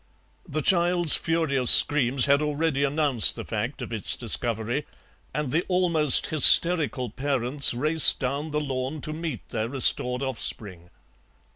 The child's furious screams had already announced the fact of its discovery, and the almost hysterical parents raced down the lawn to meet their restored offspring.